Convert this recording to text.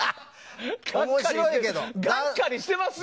がっかりしてますよ？